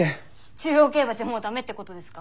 中央競馬じゃもう駄目ってことですか？